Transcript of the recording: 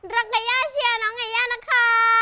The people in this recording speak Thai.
รักกับย่าเชียวน้องเอย่านะคะ